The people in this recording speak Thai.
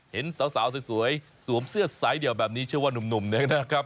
เห็นสาวสวยสวมเสื้อสายเดี่ยวแบบนี้เชื่อว่านุ่มเนี่ยนะครับ